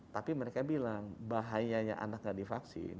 tapi mereka bilang bahayanya anaknya di vaksin